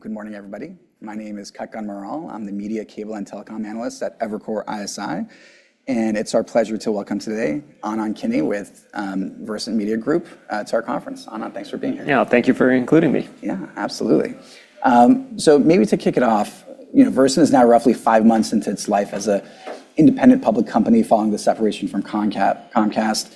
Good morning, everybody. My name is Ketan Mehta. I'm the media cable and telecom analyst at Evercore ISI. It's our pleasure to welcome today Anand Kini with Versant Media Group to our conference. Anand, thanks for being here. Yeah. Thank you for including me. Yeah, absolutely. Maybe to kick it off, Versant is now roughly five months into its life as an independent public company following the separation from Comcast.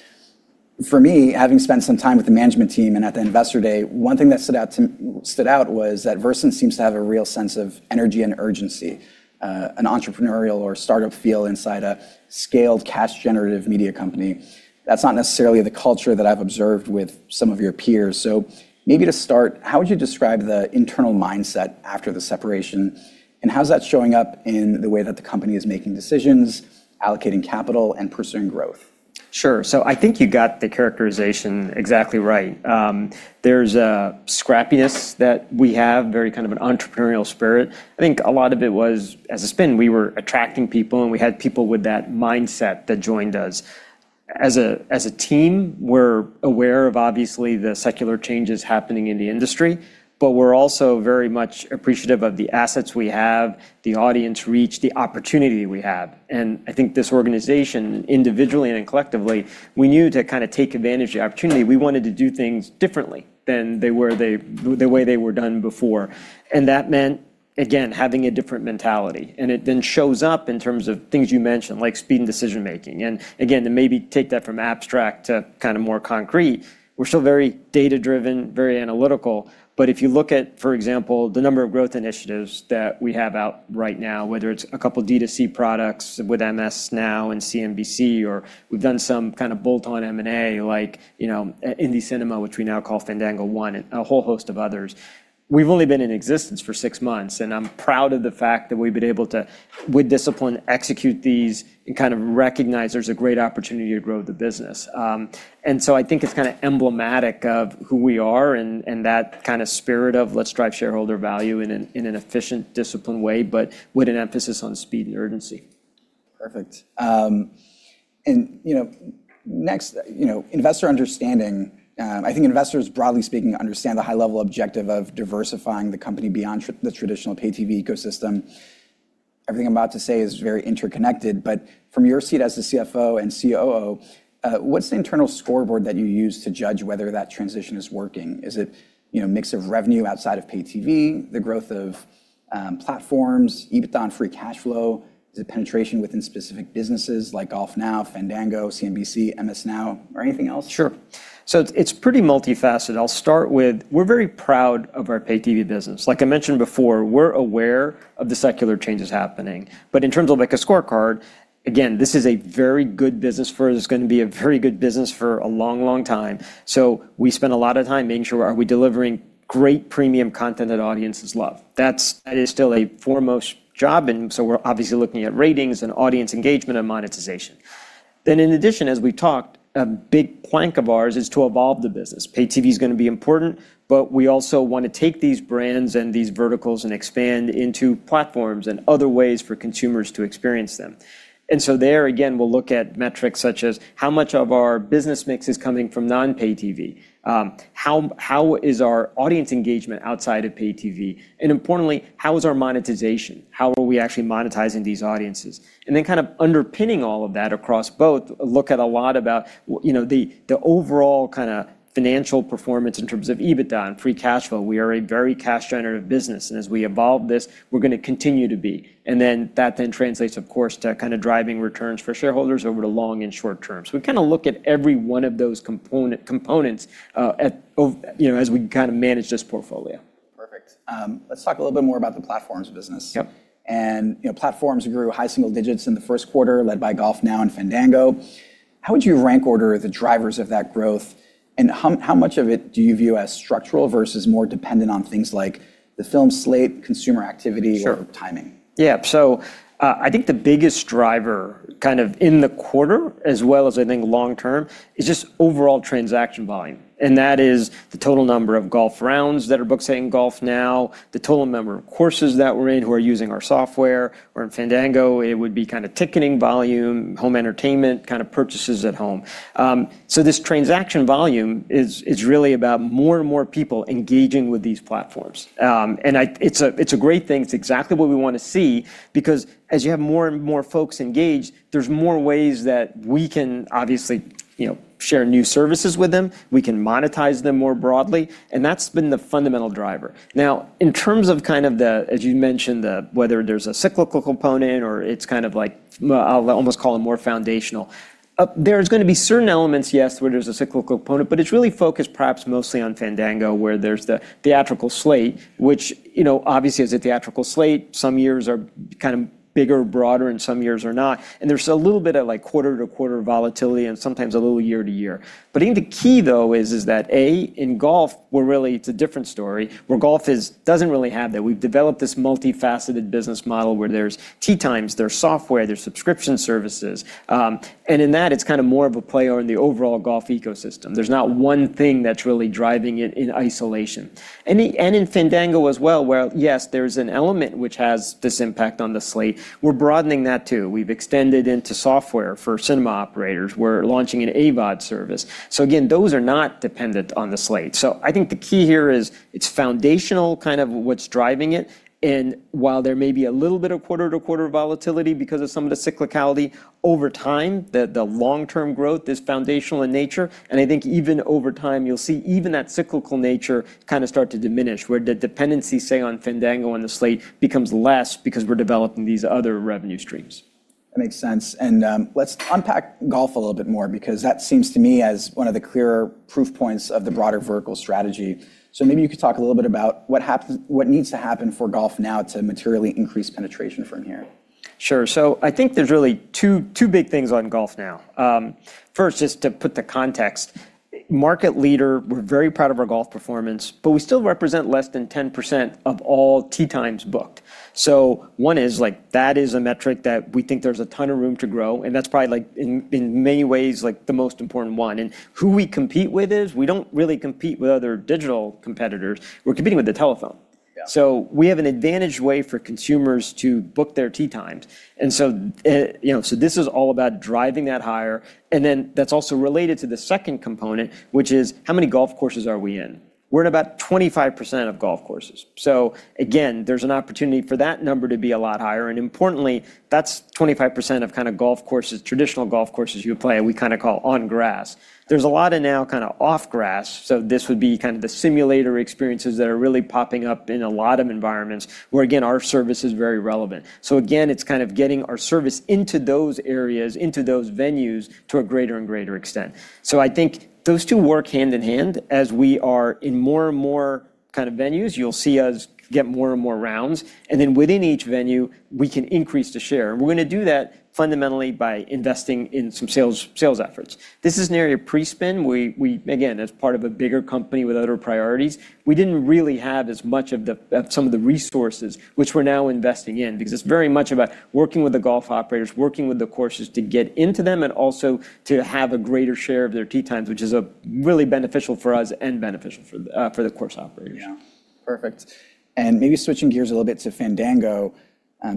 For me, having spent some time with the management team and at the investor day, one thing that stood out was that Versant seems to have a real sense of energy and urgency, an entrepreneurial or startup feel inside a scaled cash-generative media company. That's not necessarily the culture that I've observed with some of your peers. Maybe to start, how would you describe the internal mindset after the separation, and how's that showing up in the way that the company is making decisions, allocating capital, and pursuing growth? Sure. I think you got the characterization exactly right. There's a scrappiness that we have, very kind of an entrepreneurial spirit. I think a lot of it was as a spin, we were attracting people, and we had people with that mindset that joined us. As a team, we're aware of, obviously, the secular changes happening in the industry, but we're also very much appreciative of the assets we have, the audience reach, the opportunity we have. I think this organization, individually and collectively, we knew to take advantage of the opportunity, we wanted to do things differently than the way they were done before. That meant, again, having a different mentality. It then shows up in terms of things you mentioned, like speed and decision-making. Again, to maybe take that from abstract to more concrete, we're still very data-driven, very analytical. If you look at, for example, the number of growth initiatives that we have out right now, whether it's a couple D2C products with MS NOW and CNBC, or we've done some kind of bolt-on M&A like INDY Cinema, which we now call FandangoONE, and a whole host of others. We've only been in existence for six months, I'm proud of the fact that we've been able to, with discipline, execute these and recognize there's a great opportunity to grow the business. I think it's emblematic of who we are and that spirit of let's drive shareholder value in an efficient, disciplined way, with an emphasis on speed and urgency. Perfect. Next, investor understanding. I think investors, broadly speaking, understand the high-level objective of diversifying the company beyond the traditional pay TV ecosystem. Everything I'm about to say is very interconnected. From your seat as the CFO and COO, what's the internal scoreboard that you use to judge whether that transition is working? Is it a mix of revenue outside of pay TV, the growth of platforms, EBITDA and free cash flow? Is it penetration within specific businesses like GolfNow, Fandango, CNBC, MS NOW, or anything else? Sure. It's pretty multifaceted. I'll start with, we're very proud of our pay TV business. Like I mentioned before, we're aware of the secular changes happening. In terms of a scorecard, again, this is a very good business for us. It's going to be a very good business for a long time. We spend a lot of time making sure are we delivering great premium content that audiences love. That is still a foremost job, we're obviously looking at ratings and audience engagement and monetization. In addition, as we talked, a big plank of ours is to evolve the business. Pay TV is going to be important, we also want to take these brands and these verticals and expand into platforms and other ways for consumers to experience them. There, again, we'll look at metrics such as how much of our business mix is coming from non-pay TV. How is our audience engagement outside of pay TV? Importantly, how is our monetization? How are we actually monetizing these audiences? Underpinning all of that across both, look at a lot about the overall financial performance in terms of EBITDA and free cash flow. We are a very cash-generative business, and as we evolve this, we're going to continue to be. That then translates, of course, to driving returns for shareholders over the long and short term. We look at every one of those components as we manage this portfolio. Perfect. Let's talk a little bit more about the platform's business. Yep. Platforms grew high single digits in the first quarter, led by GolfNow and Fandango. How would you rank order the drivers of that growth, and how much of it do you view as structural versus more dependent on things like the film slate, consumer activity? Sure timing? Yeah. I think the biggest driver in the quarter, as well as I think long term, is just overall transaction volume. That is the total number of golf rounds that are booked in GolfNow, the total number of courses that we're in who are using our software, or in Fandango, it would be ticketing volume, home entertainment purchases at home. This transaction volume is really about more and more people engaging with these platforms. It's a great thing. It's exactly what we want to see because as you have more and more folks engaged, there's more ways that we can obviously share new services with them. We can monetize them more broadly, and that's been the fundamental driver. Now, in terms of the, as you mentioned, whether there's a cyclical component or it's like, I'll almost call it more foundational. There's going to be certain elements, yes, where there's a cyclical component, but it's really focused perhaps mostly on Fandango, where there's the theatrical slate, which obviously as a theatrical slate, some years are bigger, broader, and some years are not. There's a little bit of quarter-to-quarter volatility and sometimes a little year to year. I think the key, though, is that A, in golf, it's a different story where golf doesn't really have that. We've developed this multifaceted business model where there's tee times, there's software, there's subscription services. In that, it's more of a play on the overall golf ecosystem. There's not one thing that's really driving it in isolation. In Fandango as well, where, yes, there's an element which has this impact on the slate. We're broadening that, too. We've extended into software for cinema operators. We're launching an AVOD service. Again, those are not dependent on the slate. I think the key here is it's foundational what's driving it. While there may be a little bit of quarter-to-quarter volatility because of some of the cyclicality, over time, the long-term growth is foundational in nature, and I think even over time, you'll see even that cyclical nature kind of start to diminish, where the dependency, say, on Fandango and the slate becomes less because we're developing these other revenue streams. That makes sense. Let's unpack golf a little bit more, because that seems to me as one of the clearer proof points of the broader vertical strategy. Maybe you could talk a little bit about what needs to happen for GolfNow to materially increase penetration from here. Sure. I think there's really two big things on GolfNow. First, just to put the context. Market leader, we're very proud of our golf performance, but we still represent less than 10% of all tee times booked. One is that is a metric that we think there's a ton of room to grow, and that's probably in many ways the most important one. Who we compete with is we don't really compete with other digital competitors. We're competing with the telephone. Yeah. We have an advantaged way for consumers to book their tee times. This is all about driving that higher, and then that's also related to the second component, which is how many golf courses are we in? We're in about 25% of golf courses. Again, there's an opportunity for that number to be a lot higher, and importantly, that's 25% of golf courses, traditional golf courses you play, and we call on-grass. There's a lot of now off-grass. This would be the simulator experiences that are really popping up in a lot of environments where, again, our service is very relevant. Again, it's getting our service into those areas, into those venues to a greater and greater extent. I think those two work hand-in-hand. As we are in more and more venues, you'll see us get more and more rounds, and then within each venue, we can increase the share. We're going to do that fundamentally by investing in some sales efforts. This is an area pre-spin. We, again, as part of a bigger company with other priorities, we didn't really have as much of some of the resources which we're now investing in because it's very much about working with the golf operators, working with the courses to get into them, and also to have a greater share of their tee times, which is really beneficial for us and beneficial for the course operators. Yeah. Perfect. Maybe switching gears a little bit to Fandango.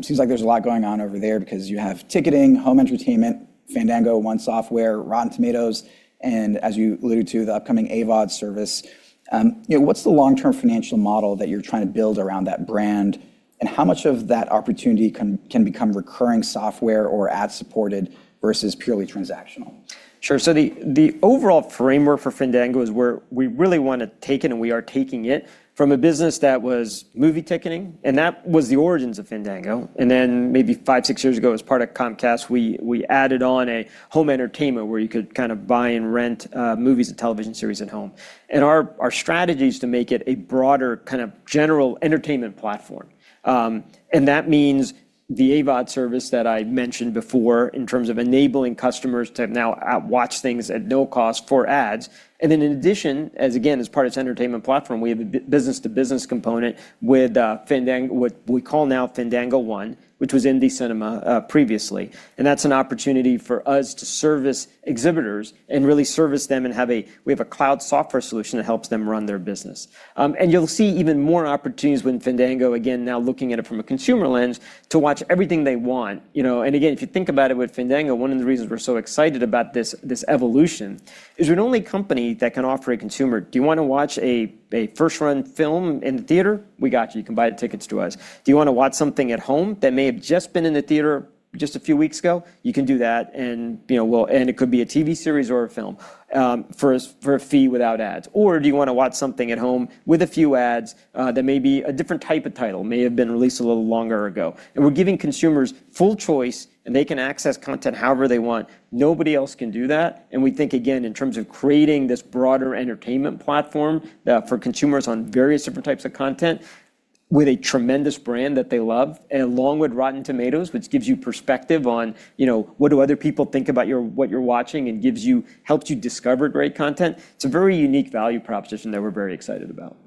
Seems like there's a lot going on over there because you have ticketing, home entertainment, FandangoONE, Rotten Tomatoes, and as you alluded to, the upcoming AVOD service. What's the long-term financial model that you're trying to build around that brand, and how much of that opportunity can become recurring software or ad-supported versus purely transactional? Sure. The overall framework for Fandango is where we really want to take it, and we are taking it from a business that was movie ticketing, and that was the origins of Fandango. Maybe five, six years ago, as part of Comcast, we added on a home entertainment where you could buy and rent movies and television series at home. Our strategy is to make it a broader general entertainment platform. The AVOD service that I mentioned before in terms of enabling customers to now watch things at no cost for ads. In addition, as again, as part of this entertainment platform, we have a business-to-business component with what we call now FandangoONE, which was INDY Cinema previously. That's an opportunity for us to service exhibitors and really service them and we have a cloud software solution that helps them run their business. You'll see even more opportunities when Fandango, again, now looking at it from a consumer lens to watch everything they want. Again, if you think about it with Fandango, one of the reasons we're so excited about this evolution is we're the only company that can offer a consumer, do you want to watch a first-run film in theater? We got you. You can buy the tickets through us. Do you want to watch something at home that may have just been in the theater just a few weeks ago? You can do that, and it could be a TV series or a film for a fee without ads. Do you want to watch something at home with a few ads that may be a different type of title, may have been released a little longer ago? We're giving consumers full choice, and they can access content however they want. Nobody else can do that. We think, again, in terms of creating this broader entertainment platform for consumers on various different types of content with a tremendous brand that they love, along with Rotten Tomatoes, which gives you perspective on what do other people think about what you're watching and helps you discover great content. It's a very unique value proposition that we're very excited about.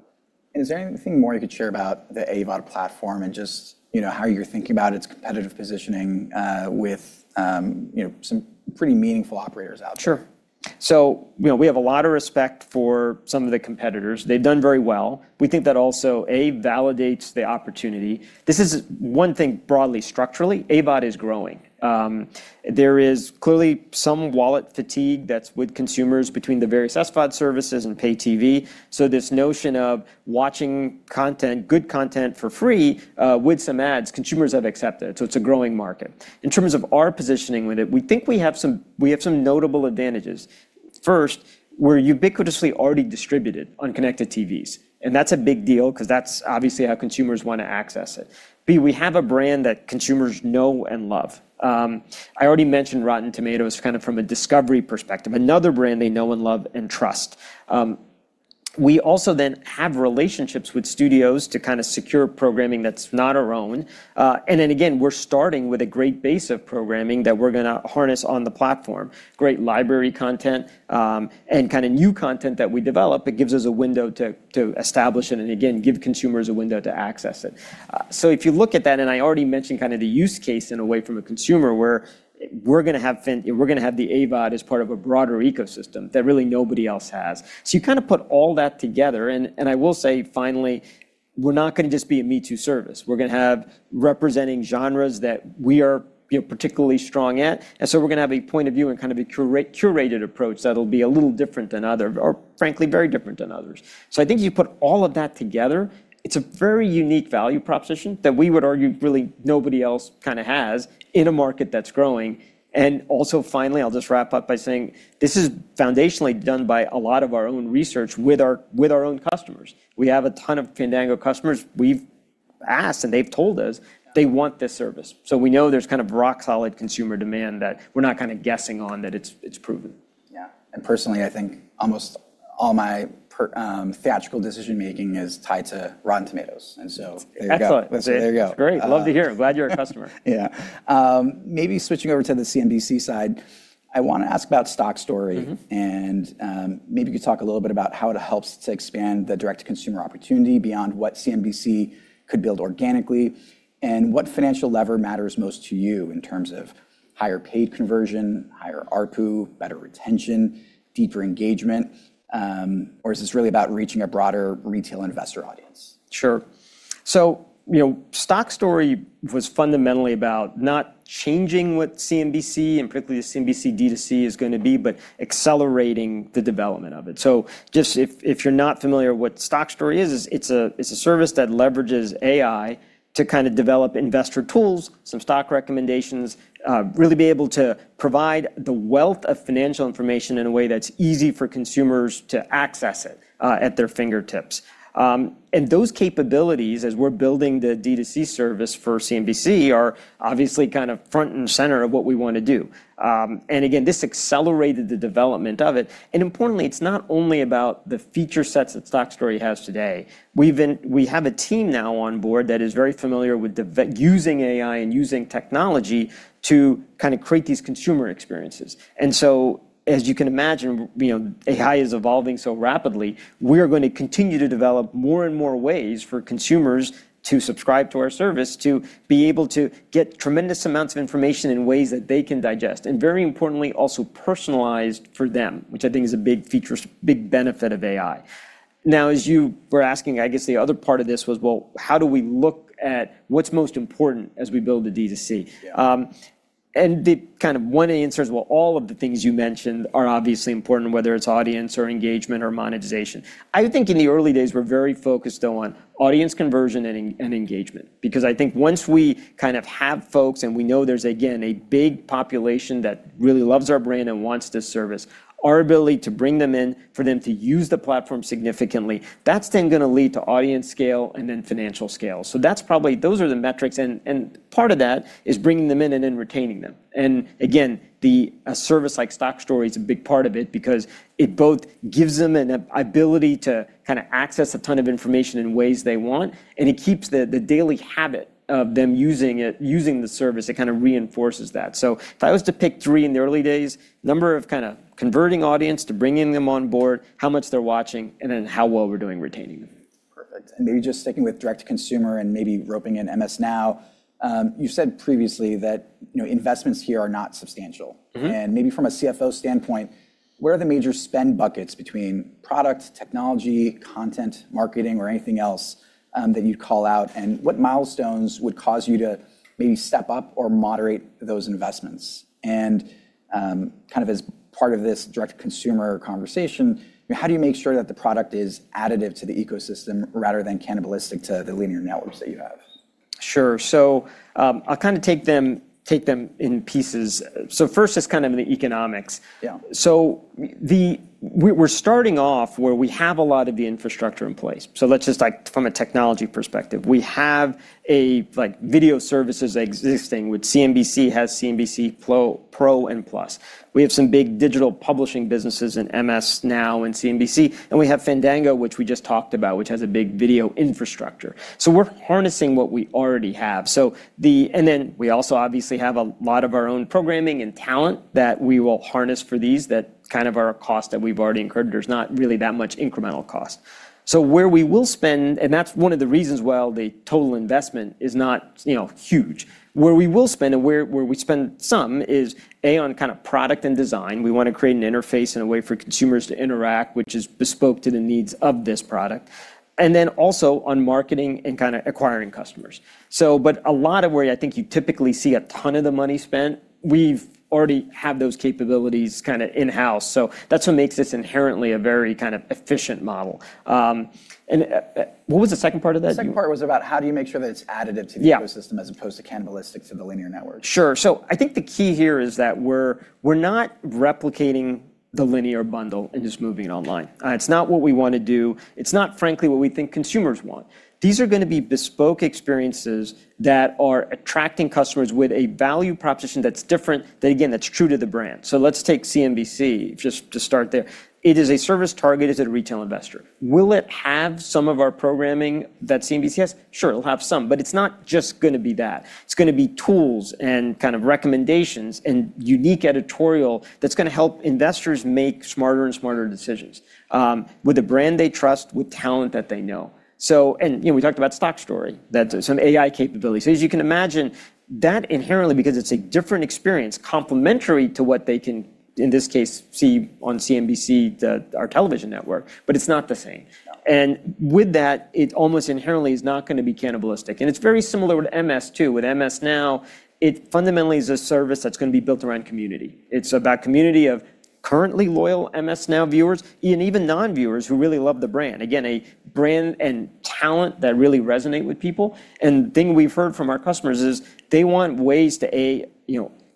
Is there anything more you could share about the AVOD platform and just how you're thinking about its competitive positioning with some pretty meaningful operators out there? Sure. We have a lot of respect for some of the competitors. They've done very well. We think that also, A, validates the opportunity. This is one thing broadly, structurally, AVOD is growing. There is clearly some wallet fatigue that's with consumers between the various SVOD services and pay TV. This notion of watching good content for free with some ads, consumers have accepted. It's a growing market. In terms of our positioning with it, we think we have some notable advantages. First, we're ubiquitously already distributed on connected TVs, and that's a big deal because that's obviously how consumers want to access it. B, we have a brand that consumers know and love. I already mentioned Rotten Tomatoes from a discovery perspective, another brand they know and love and trust. We also then have relationships with studios to secure programming that's not our own. Again, we're starting with a great base of programming that we're going to harness on the platform. Great library content and new content that we develop. It gives us a window to establish it and again, give consumers a window to access it. If you look at that, and I already mentioned the use case in a way from a consumer where we're going to have the AVOD as part of a broader ecosystem that really nobody else has. You put all that together and I will say, finally, we're not going to just be a me-too service. We're going to have representing genres that we are particularly strong at. We're going to have a point of view and kind of a curated approach that'll be a little different than others, or frankly, very different than others. I think you put all of that together, it's a very unique value proposition that we would argue really nobody else has in a market that's growing. Also finally, I'll just wrap up by saying this is foundationally done by a lot of our own research with our own customers. We have a ton of Fandango customers. We've asked, and they've told us they want this service. We know there's rock-solid consumer demand that we're not guessing on, that it's proven. Yeah. Personally, I think almost all my theatrical decision-making is tied to Rotten Tomatoes, and so there you go. Excellent. There you go. Great. Love to hear it. Glad you're a customer. Yeah. Maybe switching over to the CNBC side, I want to ask about StockStory. Maybe you could talk a little bit about how it helps to expand the direct consumer opportunity beyond what CNBC could build organically, and what financial lever matters most to you in terms of higher paid conversion, higher ARPU, better retention, deeper engagement? Is this really about reaching a broader retail investor audience? Sure. StockStory was fundamentally about not changing what CNBC, and particularly the CNBC D2C is going to be, but accelerating the development of it. Just if you're not familiar with what StockStory is, it's a service that leverages AI to develop investor tools, some stock recommendations, really be able to provide the wealth of financial information in a way that's easy for consumers to access it at their fingertips. Those capabilities, as we're building the D2C service for CNBC, are obviously front and center of what we want to do. Again, this accelerated the development of it. Importantly, it's not only about the feature sets that StockStory has today. We have a team now on board that is very familiar with using AI and using technology to create these consumer experiences. As you can imagine, AI is evolving so rapidly, we are going to continue to develop more and more ways for consumers to subscribe to our service to be able to get tremendous amounts of information in ways that they can digest, and very importantly, also personalized for them, which I think is a big benefit of AI. Now, as you were asking, I guess the other part of this was, well, how do we look at what's most important as we build the D2C? Yeah. One of the answers, well, all of the things you mentioned are obviously important, whether it's audience or engagement or monetization. I think in the early days, we're very focused on audience conversion and engagement. Because I think once we have folks, and we know there's, again, a big population that really loves our brand and wants this service, our ability to bring them in, for them to use the platform significantly, that's then going to lead to audience scale and then financial scale. Those are the metrics, and part of that is bringing them in and then retaining them. Again, a service like StockStory is a big part of it because it both gives them an ability to access a ton of information in ways they want, and it keeps the daily habit of them using the service. It reinforces that. If I was to pick three in the early days, number of converting audience to bringing them on board, how much they're watching, and then how well we're doing retaining them. Perfect. Maybe just sticking with direct-to-consumer and maybe roping in MS NOW. You said previously that investments here are not substantial. Maybe from a CFO standpoint, where are the major spend buckets between product, technology, content, marketing, or anything else that you'd call out? What milestones would cause you to maybe step up or moderate those investments? As part of this direct-to-consumer conversation, how do you make sure that the product is additive to the ecosystem rather than cannibalistic to the linear networks that you have? Sure. I'll take them in pieces. First is the economics. Yeah. We're starting off where we have a lot of the infrastructure in place. Let's just from a technology perspective. We have video services existing with CNBC has CNBC Pro and CNBC+. We have some big digital publishing businesses in MS NOW and CNBC, and we have Fandango, which we just talked about, which has a big video infrastructure. We're harnessing what we already have. Then we also obviously have a lot of our own programming and talent that we will harness for these, that are cost that we've already incurred. There's not really that much incremental cost. Where we will spend, and that's one of the reasons why the total investment is not huge. Where we will spend and where we spend some is, A, on product and design. We want to create an interface and a way for consumers to interact, which is bespoke to the needs of this product. Also on marketing and acquiring customers. A lot of where I think you typically see a ton of the money spent, we've already have those capabilities in-house. That's what makes this inherently a very efficient model. What was the second part of that? The second part was about how do you make sure that it's additive to the ecosystem. Yeah as opposed to cannibalistic to the linear network? Sure. I think the key here is that we're not replicating the linear bundle and just moving it online. It's not what we want to do. It's not, frankly, what we think consumers want. These are going to be bespoke experiences that are attracting customers with a value proposition that's different, that again, that's true to the brand. Let's take CNBC just to start there. It is a service targeted at a retail investor. Will it have some of our programming that CNBC has? Sure, it'll have some, but it's not just going to be that. It's going to be tools and recommendations and unique editorial that's going to help investors make smarter and smarter decisions, with a brand they trust, with talent that they know. And we talked about StockStory, that's some AI capabilities. As you can imagine, that inherently, because it's a different experience complementary to what they can, in this case, see on CNBC, our television network, but it's not the same. Yeah. With that, it almost inherently is not going to be cannibalistic, and it's very similar with MS NOW, too. With MS NOW, it fundamentally is a service that's going to be built around community. It's about community currently loyal MS NOW viewers and even non-viewers who really love the brand. Again, a brand and talent that really resonate with people. The thing we've heard from our customers is they want ways to, A,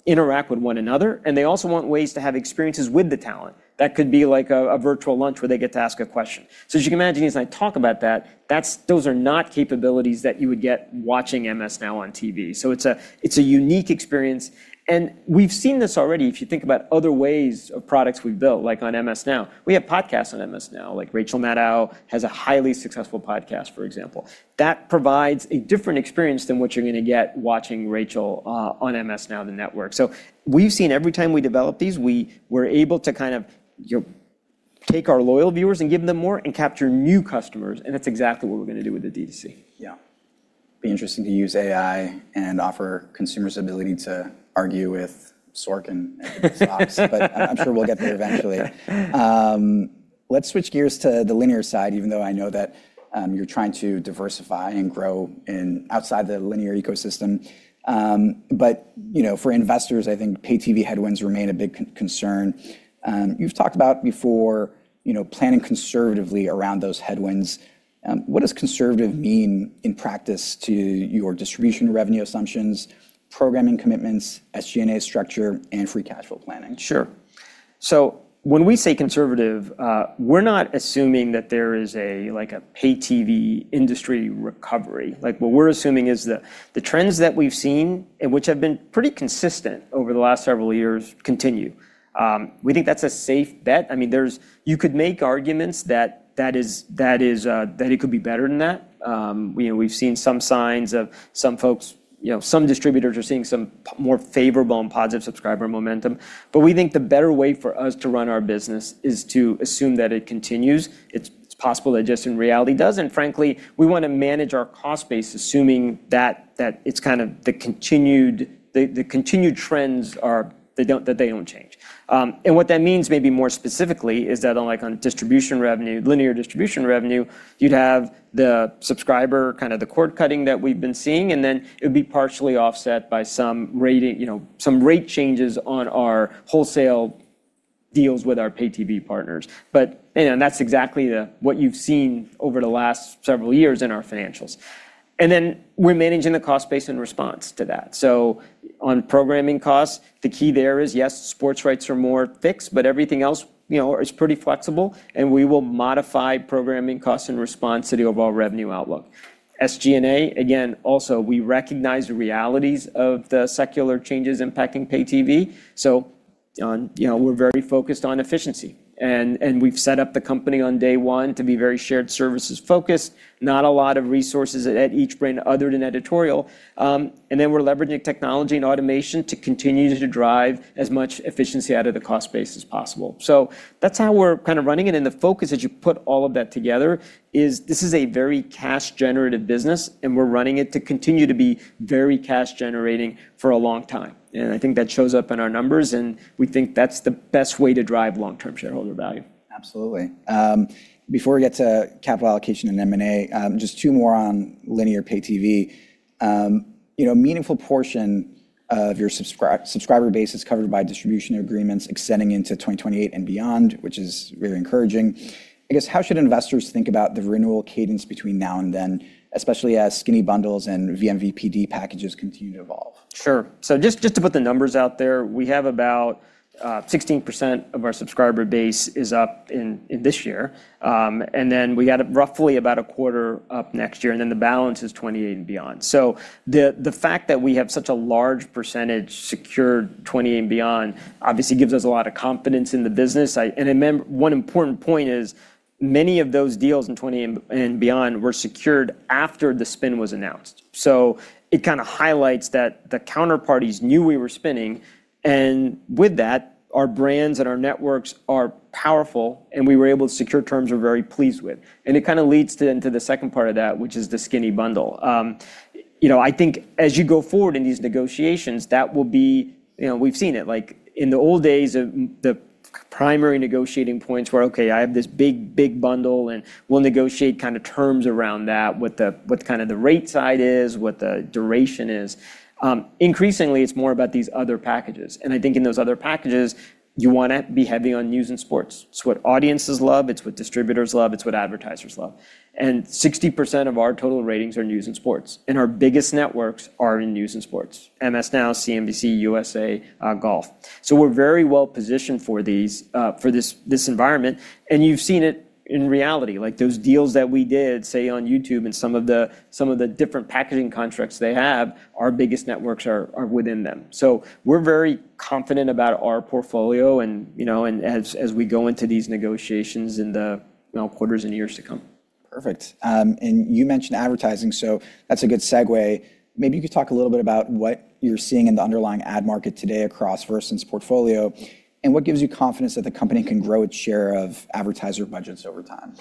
interact with one another, and they also want ways to have experiences with the talent. That could be like a virtual lunch where they get to ask a question. As you can imagine, as I talk about that, those are not capabilities that you would get watching MS NOW on TV. It's a unique experience, and we've seen this already. If you think about other ways of products we've built, like on MS NOW. We have podcasts on MS NOW, like Rachel Maddow has a highly successful podcast, for example. That provides a different experience than what you're going to get watching Rachel on MS NOW, the network. We've seen every time we develop these, we're able to take our loyal viewers and give them more and capture new customers, and that's exactly what we're going to do with the D2C. Yeah. Be interesting to use AI and offer consumers ability to argue with Sorkin and give us ups. I'm sure we'll get there eventually. Let's switch gears to the linear side, even though I know that you're trying to diversify and grow outside the linear ecosystem. For investors, I think pay TV headwinds remain a big concern. You've talked about before planning conservatively around those headwinds. What does conservative mean in practice to your distribution revenue assumptions, programming commitments, SG&A structure, and free cash flow planning? Sure. When we say conservative, we're not assuming that there is a pay TV industry recovery. What we're assuming is the trends that we've seen, which have been pretty consistent over the last several years, continue. We think that's a safe bet. You could make arguments that it could be better than that. We've seen some signs of some folks, some distributors are seeing some more favorable and positive subscriber momentum. We think the better way for us to run our business is to assume that it continues. It's possible that just in reality, it does, and frankly, we want to manage our cost base, assuming that the continued trends that they don't change. What that means, maybe more specifically, is that on linear distribution revenue, you'd have the subscriber, the cord cutting that we've been seeing, then it would be partially offset by some rate changes on our wholesale deals with our pay TV partners. That's exactly what you've seen over the last several years in our financials. We're managing the cost base in response to that. On programming costs, the key there is, yes, sports rights are more fixed, but everything else is pretty flexible, and we will modify programming costs in response to the overall revenue outlook. SG&A, again, also, we recognize the realities of the secular changes impacting pay TV. We're very focused on efficiency, and we've set up the company on day one to be very shared services focused. Not a lot of resources at each brand other than editorial. We're leveraging technology and automation to continue to drive as much efficiency out of the cost base as possible. That's how we're running it, and the focus as you put all of that together is this is a very cash generative business, and we're running it to continue to be very cash generating for a long time. I think that shows up in our numbers, and we think that's the best way to drive long-term shareholder value. Absolutely. Before we get to capital allocation and M&A, just two more on linear pay TV. A meaningful portion of your subscriber base is covered by distribution agreements extending into 2028 and beyond, which is really encouraging. I guess, how should investors think about the renewal cadence between now and then, especially as skinny bundles and vMVPD packages continue to evolve? Sure. Just to put the numbers out there, we have about 16% of our subscriber base is up in this year. We got roughly about a quarter up next year, the balance is 2028 and beyond. The fact that we have such a large percentage secured 2028 and beyond obviously gives us a lot of confidence in the business. One important point is many of those deals in 2028 and beyond were secured after the spin was announced. It highlights that the counterparties knew we were spinning, and with that, our brands and our networks are powerful, and we were able to secure terms we're very pleased with. It leads into the second part of that, which is the skinny bundle. I think as you go forward in these negotiations, we've seen it. In the old days, the primary negotiating points were, "Okay, I have this big bundle," and we'll negotiate terms around that, what the rate side is, what the duration is. Increasingly, it's more about these other packages. I think in those other packages, you want to be heavy on news and sports. It's what audiences love, it's what distributors love, it's what advertisers love. 60% of our total ratings are news and sports, and our biggest networks are in news and sports. MS NOW, CNBC, USA, Golf. We're very well-positioned for this environment, and you've seen it in reality. Those deals that we did, say, on YouTube and some of the different packaging contracts they have, our biggest networks are within them. We're very confident about our portfolio as we go into these negotiations in the quarters and years to come. Perfect. You mentioned advertising, so that's a good segue. Maybe you could talk a little bit about what you're seeing in the underlying ad market today across Versant's portfolio, and what gives you confidence that the company can grow its share of advertiser budgets over time?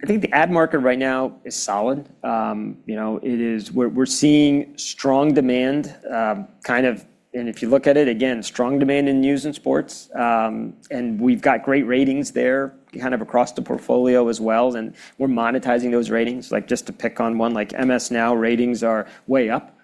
I think the ad market right now is solid. We're seeing strong demand, and if you look at it, again, strong demand in news and sports. We've got great ratings there kind of across the portfolio as well, and we're monetizing those ratings. Like just to pick on one, like MS NOW ratings are way up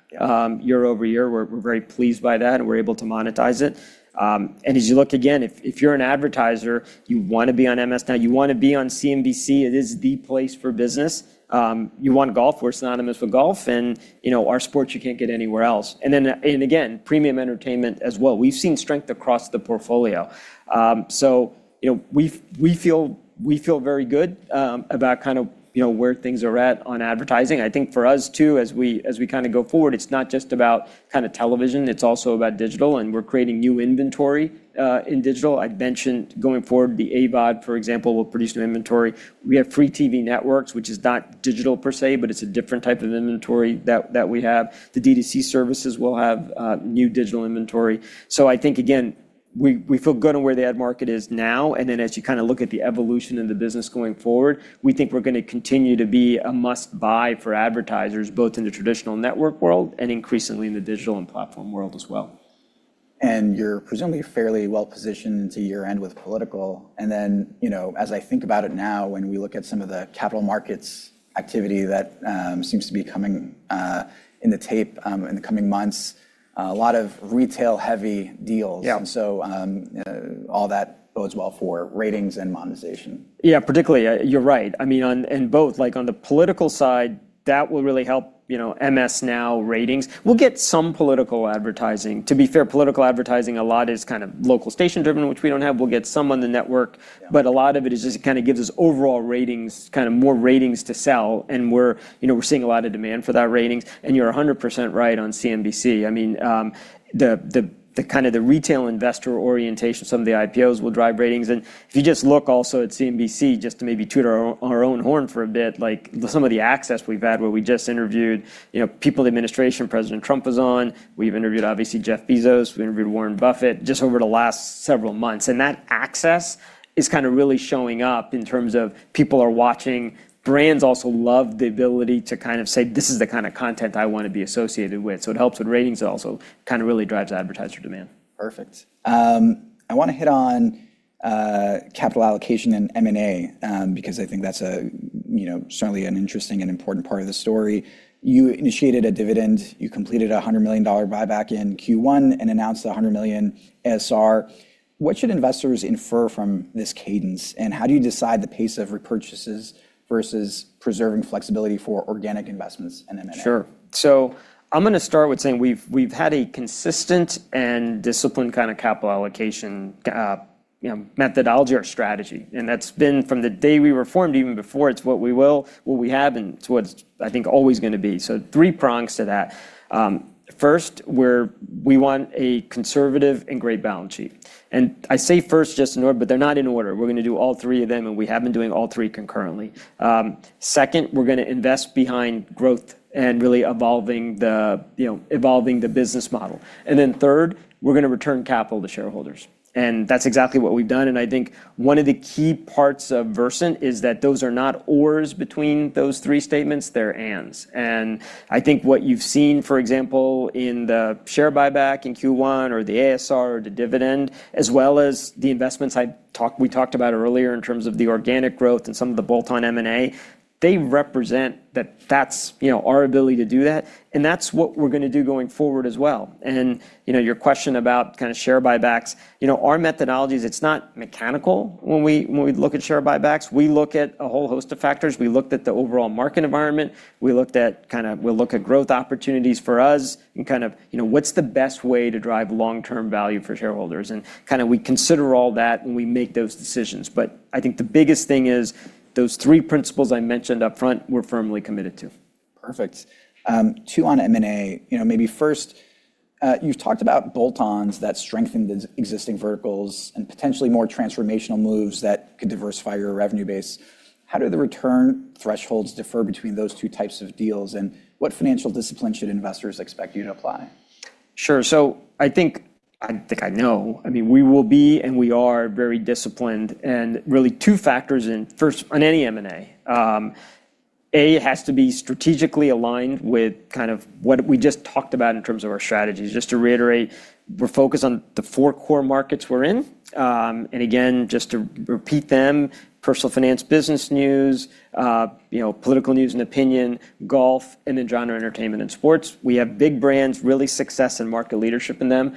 year over year. We're very pleased by that, and we're able to monetize it. As you look again, if you're an advertiser, you want to be on MS NOW, you want to be on CNBC, it is the place for business. You want golf, we're synonymous with golf and our sports you can't get anywhere else. Again, premium entertainment as well. We've seen strength across the portfolio. We feel very good about where things are at on advertising. I think for us too, as we go forward, it's not just about television, it's also about digital and we're creating new inventory in digital. I'd mentioned going forward, the AVOD, for example, will produce new inventory. We have free TV networks, which is not digital per se, but it's a different type of inventory that we have. The D2C services will have new digital inventory. I think again, we feel good on where the ad market is now, and then as you look at the evolution in the business going forward, we think we're going to continue to be a must-buy for advertisers, both in the traditional network world and increasingly in the digital and platform world as well. You're presumably fairly well-positioned into year-end with political. As I think about it now, when we look at some of the capital markets activity that seems to be coming in the tape in the coming months, a lot of retail-heavy deals. Yeah. All that bodes well for ratings and monetization. Yeah, particularly. You're right. On both, like on the political side, that will really help MS NOW ratings. We'll get some political advertising. To be fair, political advertising, a lot is local station driven, which we don't have. A lot of it is just gives us overall ratings, more ratings to sell, and we're seeing a lot of demand for that ratings. You're 100% right on CNBC. The retail investor orientation, some of the IPOs will drive ratings. If you just look also at CNBC, just to maybe toot our own horn for a bit, like some of the access we've had where we just interviewed people in the administration, Donald Trump was on. We've interviewed, obviously, Jeff Bezos, we interviewed Warren Buffett just over the last several months. That access is really showing up in terms of people are watching. Brands also love the ability to say, "This is the kind of content I want to be associated with." It helps with ratings. It also really drives advertiser demand. Perfect. I want to hit on capital allocation and M&A, because I think that's certainly an interesting and important part of the story. You initiated a dividend, you completed a $100 million buyback in Q1 and announced $100 million ASR. What should investors infer from this cadence, and how do you decide the pace of repurchases versus preserving flexibility for organic investments in M&A? Sure. I'm going to start with saying we've had a consistent and disciplined capital allocation methodology or strategy. That's been from the day we were formed, even before, it's what we will, what we have, and it's what's, I think, always going to be. Three prongs to that. First, we want a conservative and great balance sheet, and I say first just in order, but they're not in order. We're going to do all three of them, and we have been doing all three concurrently. Second, we're going to invest behind growth and really evolving the business model. Third, we're going to return capital to shareholders. That's exactly what we've done, and I think one of the key parts of Versant is that those are not ors between those three statements, they're ands. I think what you've seen, for example, in the share buyback in Q1 or the ASR or the dividend, as well as the investments we talked about earlier in terms of the organic growth and some of the bolt-on M&A, they represent that that's our ability to do that, and that's what we're going to do going forward as well. Your question about share buybacks. Our methodology is it's not mechanical when we look at share buybacks. We look at a whole host of factors. We looked at the overall market environment. We'll look at growth opportunities for us and what's the best way to drive long-term value for shareholders. We consider all that when we make those decisions. I think the biggest thing is those three principles I mentioned upfront, we're firmly committed to. Perfect. Two on M&A. Maybe first, you've talked about bolt-ons that strengthen the existing verticals and potentially more transformational moves that could diversify your revenue base. How do the return thresholds differ between those two types of deals, and what financial discipline should investors expect you to apply? Sure. I think I know. We are very disciplined and really two factors in any M&A. A, it has to be strategically aligned with what we just talked about in terms of our strategies. Just to reiterate, we're focused on the four core markets we're in. Again, just to repeat them, personal finance, business news, political news and opinion, golf, and then general entertainment and sports. We have big brands, really success and market leadership in them.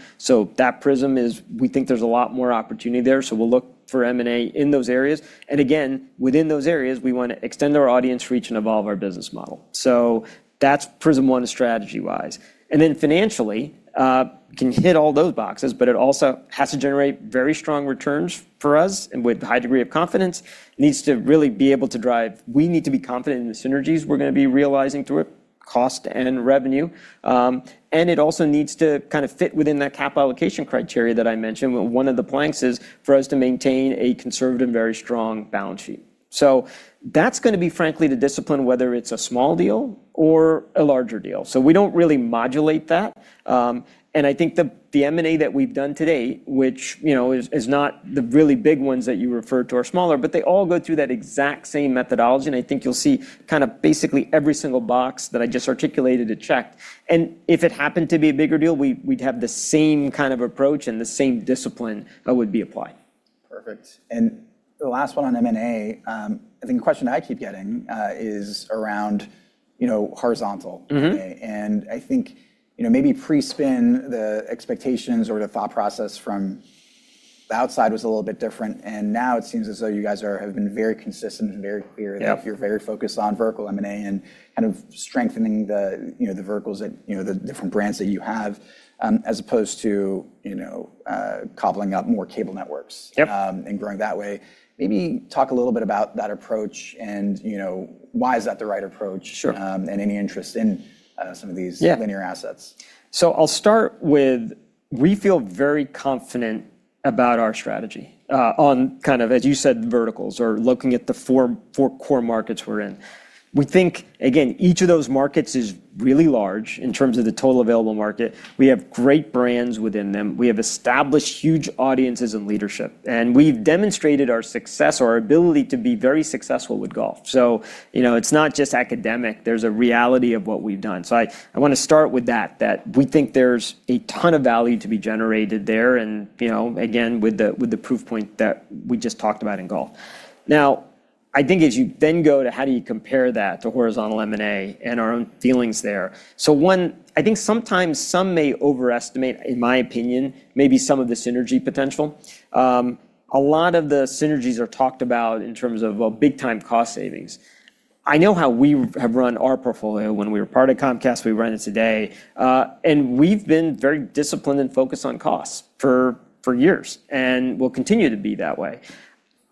That prism is, we think there's a lot more opportunity there, so we'll look for M&A in those areas. Again, within those areas, we want to extend our audience reach and evolve our business model. That's prism one strategy-wise. Financially, it can hit all those boxes, but it also has to generate very strong returns for us and with high degree of confidence. Needs to really be able to drive. We need to be confident in the synergies we're going to be realizing through it, cost and revenue.It also needs to fit within that capital allocation criteria that I mentioned, where one of the planks is for us to maintain a conservative, very strong balance sheet. That's going to be, frankly, the discipline, whether it's a small deal or a larger deal. We don't really modulate that. I think the M&A that we've done to date, which is not the really big ones that you referred to, are smaller, but they all go through that exact same methodology. I think you'll see basically every single box that I just articulated is checked. If it happened to be a bigger deal, we'd have the same kind of approach and the same discipline that would be applied. Perfect. The last one on M&A, I think a question I keep getting is around horizontal M&A. I think, maybe pre-spin, the expectations or the thought process from the outside was a little bit different. Now it seems as though you guys have been very consistent and very clear. Yeah that you're very focused on vertical M&A and kind of strengthening the verticals that, the different brands that you have, as opposed to cobbling up more cable networks. Yep Growing that way. Maybe talk a little bit about that approach and why is that the right approach. Sure. Any interest in some of these. Yeah linear assets. I'll start with, we feel very confident about our strategy on, as you said, verticals or looking at the four core markets we're in. We think, again, each of those markets is really large in terms of the total available market. We have great brands within them. We have established huge audiences and leadership, and we've demonstrated our success or our ability to be very successful with golf. It's not just academic. There's a reality of what we've done. I want to start with that we think there's a ton of value to be generated there, and again, with the proof point that we just talked about in golf. I think as you then go to how do you compare that to horizontal M&A and our own feelings there. One, I think sometimes some may overestimate, in my opinion, maybe some of the synergy potential. A lot of the synergies are talked about in terms of big-time cost savings. I know how we have run our portfolio. When we were part of Comcast, we ran it today. We've been very disciplined and focused on costs for years, and we'll continue to be that way.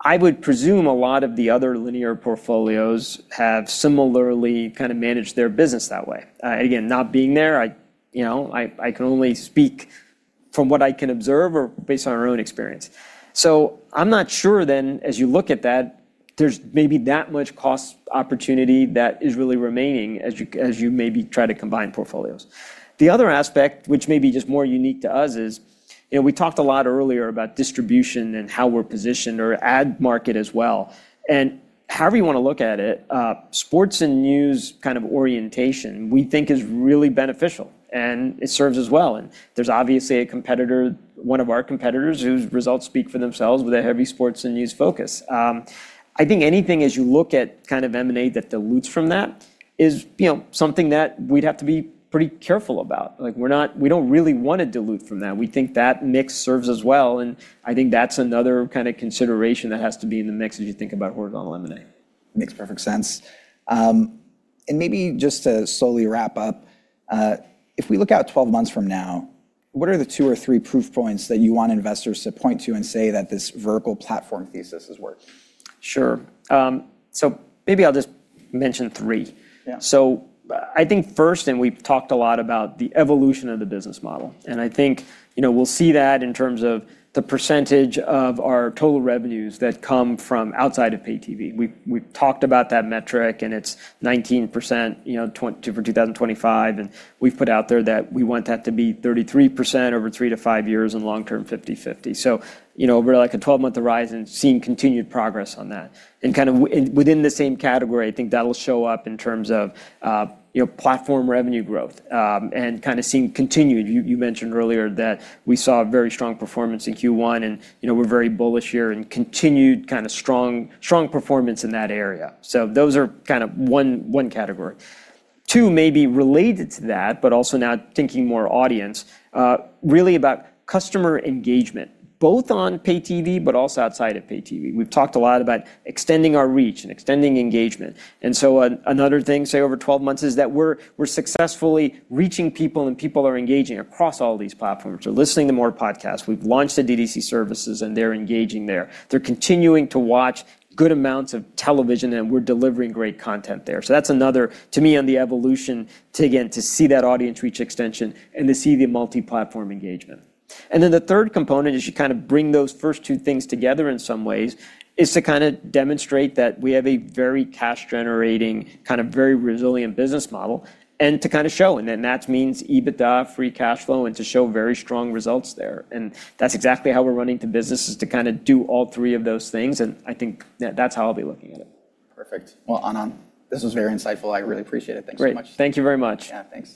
I would presume a lot of the other linear portfolios have similarly managed their business that way. Again, not being there, I can only speak from what I can observe or based on our own experience. I'm not sure then as you look at that, there's maybe that much cost opportunity that is really remaining as you maybe try to combine portfolios. The other aspect, which may be just more unique to us, is we talked a lot earlier about distribution and how we're positioned or ad market as well. However you want to look at it, sports and news orientation we think is really beneficial and it serves us well. There's obviously a competitor, one of our competitors, whose results speak for themselves with a heavy sports and news focus. I think anything as you look at M&A that dilutes from that is something that we'd have to be pretty careful about. We don't really want to dilute from that. We think that mix serves us well, and I think that's another consideration that has to be in the mix as you think about horizontal M&A. Makes perfect sense. Maybe just to slowly wrap up, if we look out 12 months from now, what are the two or three proof points that you want investors to point to and say that this vertical platform thesis has worked? Sure. Maybe I'll just mention three. Yeah. I think first, we've talked a lot about the evolution of the business model. I think we'll see that in terms of the percentage of our total revenues that come from outside of pay TV. We've talked about that metric and it's 19% for 2025, and we've put out there that we want that to be 33% over three to five years and long-term, 50/50. Over a 12-month horizon, seeing continued progress on that. Within the same category, I think that'll show up in terms of platform revenue growth, and seeing continued. You mentioned earlier that we saw very strong performance in Q1 and we're very bullish here and continued strong performance in that area. Those are one category. Two may be related to that, but also now thinking more audience, really about customer engagement, both on pay TV but also outside of pay TV. We've talked a lot about extending our reach and extending engagement. Another thing, say over 12 months, is that we're successfully reaching people and people are engaging across all these platforms. They're listening to more podcasts. We've launched the D2C services and they're engaging there. They're continuing to watch good amounts of television, and we're delivering great content there. That's another to me on the evolution to, again, to see that audience reach extension and to see the multi-platform engagement. The third component as you bring those first two things together in some ways is to demonstrate that we have a very cash-generating, very resilient business model and to show. That means EBITDA, free cash flow, and to show very strong results there. That's exactly how we're running the business is to do all three of those things, and I think that that's how I'll be looking at it. Perfect. Well, Anand, this was very insightful. I really appreciate it. Thanks so much. Great. Thank you very much. Yeah, thanks.